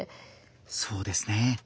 そうですね。